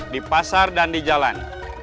di pasar dan di jalan